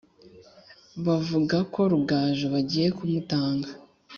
bavuga ko rugaju bagiye kumutanga.